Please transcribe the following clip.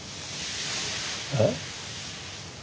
えっ？